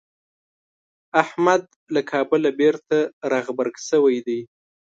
احمد له کابله بېرته راغبرګ شوی دی.